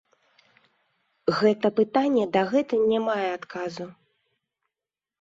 Гэта пытанне дагэтуль не мае адказу.